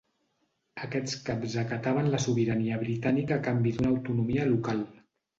Aquests caps acataven la sobirania britànica a canvi d'una autonomia local.